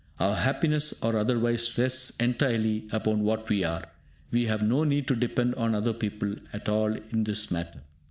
Our happiness or otherwise rests entirely upon what we are; we have no need to depend on other people at all in this matter.